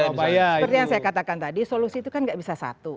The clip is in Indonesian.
seperti yang saya katakan tadi solusi itu kan nggak bisa satu